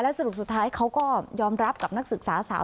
สรุปสุดท้ายเขาก็ยอมรับกับนักศึกษาสาว